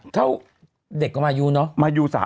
เท่าเด็กก็มายูเนอะ